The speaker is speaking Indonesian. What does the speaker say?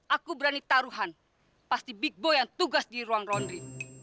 aku berani taruhan pasti bigbo yang tugas di ruang laundry